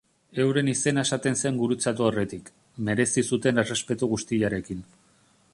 Euren izena esaten zen gurutzatu aurretik, merezi zuten errespetu guztiarekin.